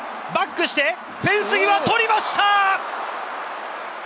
バックして、フェン際、捕りました！